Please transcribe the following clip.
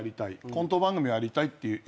コント番組をやりたいって。